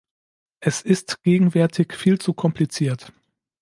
Es ist gegenwärtig viel zu kompliziert.